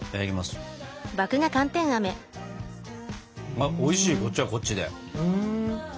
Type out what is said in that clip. あおいしいこっちはこっちで。